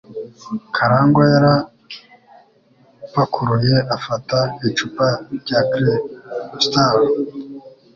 Karangwa yarapakuruye afata icupa rya Cristal.